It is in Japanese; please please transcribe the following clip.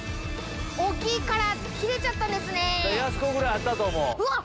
大きいから切れちゃったんですね。